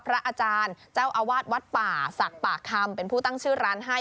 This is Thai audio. พระอาจารย์เจ้าอาวาสวัดป่าศักดิ์ป่าคำเป็นผู้ตั้งชื่อร้านให้